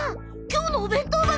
今日のお弁当箱！